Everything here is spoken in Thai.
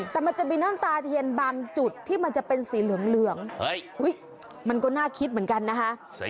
แต่มันจะมีน้ำตาเทียนบางจุดที่มันจะเป็นสีเหลืองมันก็น่าคิดเหมือนกันนะคะ